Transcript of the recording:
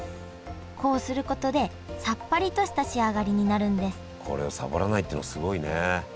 こうすることでさっぱりとした仕上がりになるんですこれをサボらないっていうのはすごいね。